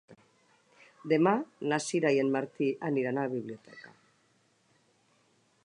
Demà na Sira i en Martí aniran a la biblioteca.